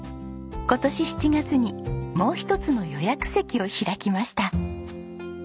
今年７月に「もうひとつの予約席」を開きました。